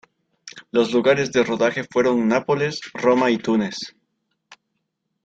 Los lugares de rodaje fueron Nápoles, Roma y Túnez.